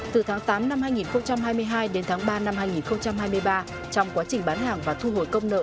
từ tháng tám năm hai nghìn hai mươi hai đến tháng ba năm hai nghìn hai mươi ba trong quá trình bán hàng và thu hồi công nợ